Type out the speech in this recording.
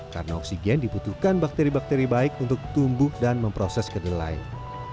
karena oksigen dibutuhkan bakteri bakteri baik untuk tumbuh dan memproses kedelainya